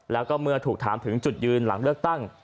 แล้วก็เมื่อถูกถามถึงจุดยืนหลังเลือกตั้ง